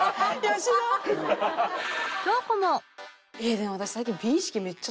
でも私最近。